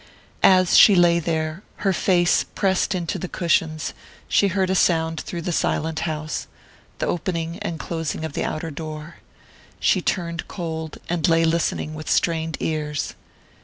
As she lay there, her face pressed into the cushions, she heard a sound through the silent house the opening and closing of the outer door. She turned cold, and lay listening with strained ears....